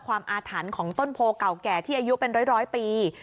ของอาฐานของต้นโพนะกำเนเกมและอายุแริ้วร้อยปี